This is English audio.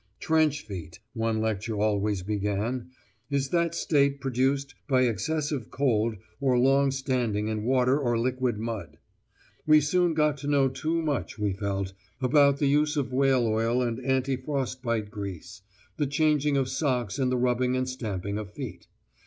"Trench feet," one lecture always began, "is that state produced by excessive cold or long standing in water or liquid mud." We soon got to know too much, we felt, about the use of whale oil and anti frostbite grease, the changing of socks and the rubbing and stamping of feet.